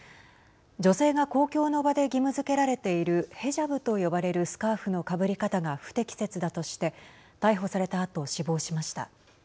女性が公共の場で義務づけられているヘジャブと呼ばれるスカーフのかぶり方が不適切だとして逮捕されたあと、死亡しました。